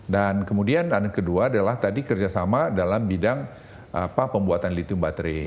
dan kemudian dan kedua adalah tadi kerjasama dalam bidang pembuatan litium baterai